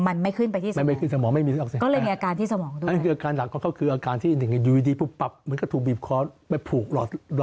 มันไม่ขึ้นไปที่สมองก็เพราะว่าออกซิเจนที่มันต้องผ่าน